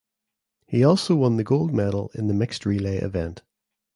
He also won the gold medal in the mixed relay event.